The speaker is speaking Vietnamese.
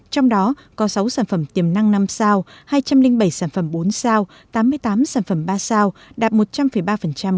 trong đó có sáu sản phẩm tiềm năng năm sao hai trăm linh bảy sản phẩm bốn sao tám mươi tám sản phẩm ba sao đạt một trăm linh ba kế hoạch năm hai nghìn một mươi chín